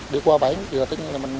đi qua bãnh